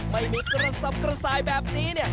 ไม่มีกระสับกระสายแบบนี้เนี่ย